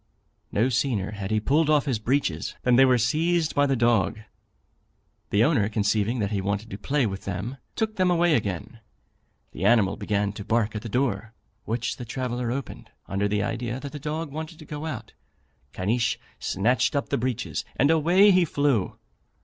No sooner had he pulled off his breeches, than they were seized by the dog; the owner conceiving that he wanted to play with them, took them away again. The animal began to bark at the door, which the traveller opened, under the idea that the dog wanted to go out. Caniche snatched up the breeches, and away he flew.